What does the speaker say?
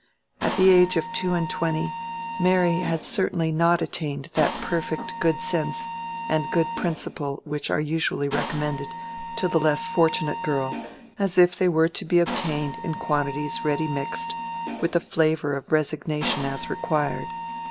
At the age of two and twenty Mary had certainly not attained that perfect good sense and good principle which are usually recommended to the less fortunate girl, as if they were to be obtained in quantities ready mixed, with a flavor of resignation as required.